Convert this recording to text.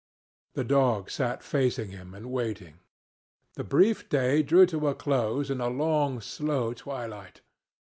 The dog sat facing him and waiting. The brief day drew to a close in a long, slow twilight.